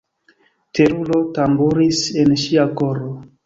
Teruro tamburis en ŝia koro.